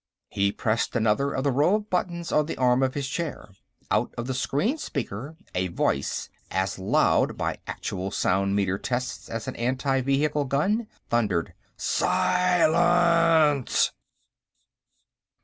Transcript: He pressed another of the row of buttons on the arm of his chair. Out of the screen speaker a voice, as loud, by actual sound meter test, as an anti vehicle gun, thundered: "SILENCE!"